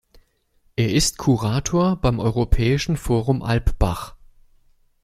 Er ist Kurator beim Europäischen Forum Alpbach.